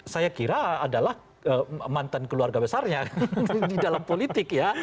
saya kira adalah mantan keluarga besarnya di dalam politik ya